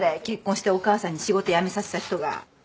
結婚してお母さんに仕事辞めさせた人が。